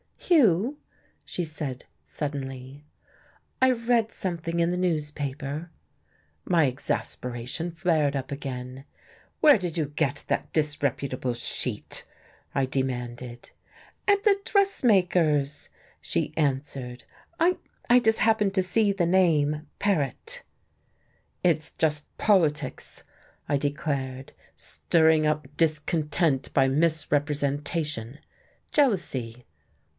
"Hugh," she said suddenly, "I read something in the newspaper " My exasperation flared up again. "Where did you get that disreputable sheet?" I demanded. "At the dressmaker's!" she answered. "I I just happened to see the name, Paret." "It's just politics," I declared, "stirring up discontent by misrepresentation. Jealousy."